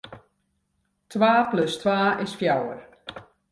Twa plus twa is fjouwer.